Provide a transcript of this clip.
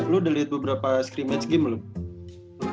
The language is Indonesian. lo udah liat beberapa scrim match game belum